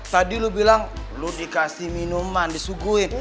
tadi lo bilang lo dikasih minuman disuguhin